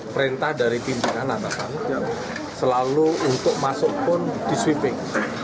perintah dari pimpinan atasan selalu untuk masuk pun di sweeping